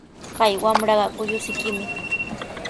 Kay wamraqa kullusikimi.